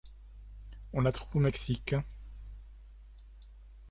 On la trouve au Mexique.